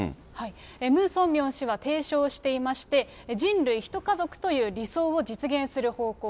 ムン・ソンミョン氏が提唱していまして、人類一家族という理想を実現する方向。